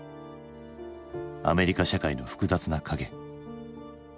アメリカ社会の複雑な影。